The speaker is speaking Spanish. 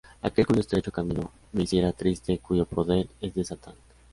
Aquel cuyo estrecho camino me hiciera triste, cuyo poder es de Satan.